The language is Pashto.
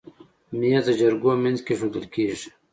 مېز د جرګو منځ کې ایښودل کېږي.